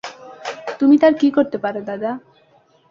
তুমি তার কী করতে পার দাদা?